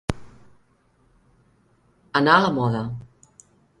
Anar a la moda.